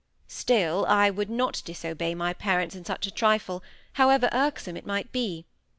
Still, I would not disobey my parents in such a trifle, however irksome it might be.